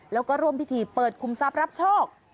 แล้วก็ร่วมพิธีเปิดคุมทรัพย์รับโชค